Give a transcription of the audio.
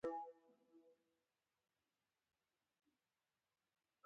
درې متره پلنوالی او يو متر لوړوالی لري،